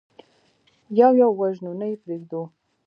يو يو وژنو، نه يې پرېږدو.